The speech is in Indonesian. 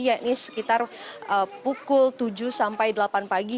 yakni sekitar pukul tujuh sampai delapan pagi